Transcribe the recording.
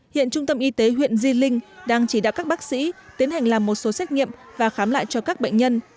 hiện trung tâm y tế huyện di linh đang chỉ đạo các bác sĩ tiến hành làm một số xét nghiệm và khám lại cho các bệnh nhân